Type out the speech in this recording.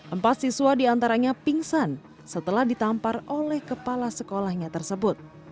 empat siswa diantaranya pingsan setelah ditampar oleh kepala sekolahnya tersebut